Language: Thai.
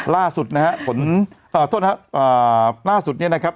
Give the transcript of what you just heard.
ล่าสุดนะฮะผลโทษนะครับล่าสุดเนี่ยนะครับ